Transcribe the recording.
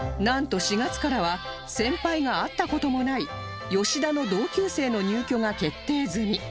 なんと４月からは先輩が会った事もない吉田の同級生の入居が決定済